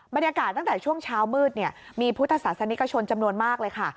บรรยากาศตั้งแต่ช่วงเช้ามืดมีพุทธศาสนิกชนจำนวนมากเลยค่ะ